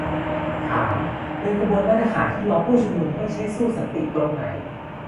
ถาม : เดินขบวนไล่ทหารที่ล้อมผู้ชุมนุมไม่ใช่สู้สันติตรงไหน ?